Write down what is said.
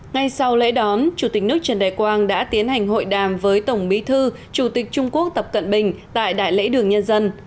ngay sau lễ đón chủ tịch nước trần đại quang đã tiến hành hội đàm với tổng bí thư chủ tịch trung quốc tập cận bình tại đại lễ đường nhân dân